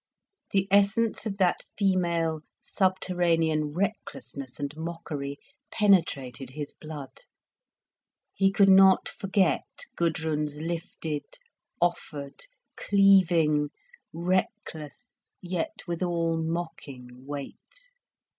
The essence of that female, subterranean recklessness and mockery penetrated his blood. He could not forget Gudrun's lifted, offered, cleaving, reckless, yet withal mocking weight.